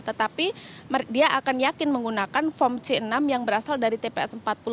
tetapi dia akan yakin menggunakan form c enam yang berasal dari tps empat puluh lima